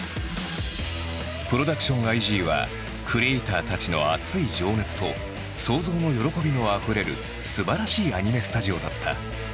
ＰｒｏｄｕｃｔｉｏｎＩ．Ｇはクリエイターたちの熱い情熱と創造の喜びのあふれるすばらしいアニメスタジオだった。